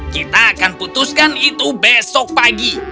kita akan putuskan itu besok pagi